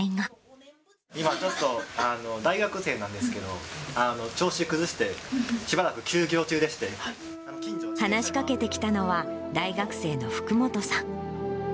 今ちょっと、大学生なんですけど、調子崩して、話しかけてきたのは、大学生の福本さん。